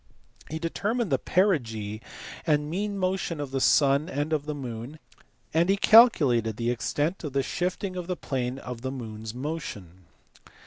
He determined the perigee and mean motion of the sun and of the moon, and he calculated the extent of the shifting of the plane of the moon s motion.